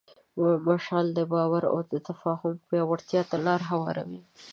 مشعل د باور او تفاهم پیاوړتیا ته لاره هواروي.